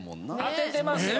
当ててますよ。